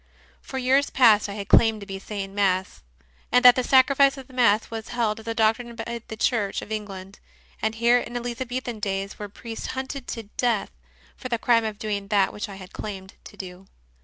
For years past I had claimed to be saying Mass, and that the Sacrifice of the Mass was held as a doctrine by the Church of England; and here in Elizabethan days were priests hunted to death for the crime of doing that which I had claimed to do.